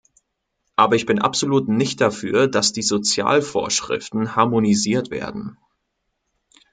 Aber ich bin absolut nicht dafür, dass die Sozialvorschriften harmonisiert werden.